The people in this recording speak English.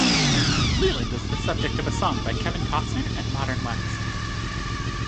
Leland is the subject of a song by Kevin Costner and Modern West.